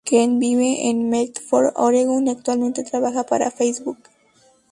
Kent vive en Medford, Oregon y actualmente trabaja para Facebook.